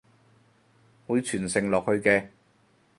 會傳承落去嘅！